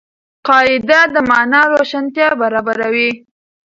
قاعده د مانا روښانتیا برابروي.